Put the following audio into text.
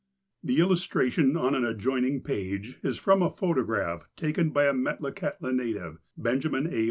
The illustration, on an adjoining page, is from a photo graph taken by a Metlakahtla native, Benjamin A.